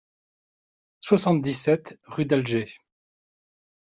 soixante-dix-sept rue d'Alger